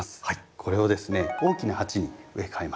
これをですね大きな鉢に植え替えます。